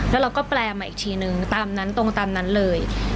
แล้วเราก็แปลมาอีกทีนึงตามนั้นตรงตามนั้นเลย